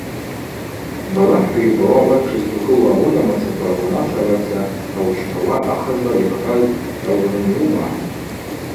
Балахӏта йубауа ауат тшыздукӏылуа уынамыцаква рунашвагӏваца ъаучпауа ахъазла йырхӏваз гьгӏаугвнымгӏвума?